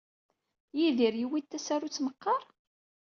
Yidir yewwi-d tasarut meqqar?